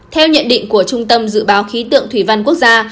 theo nhận định của trung tâm dự báo khí tượng thủy văn quốc gia